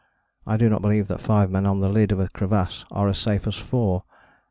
I do not believe that five men on the lid of a crevasse are as safe as four.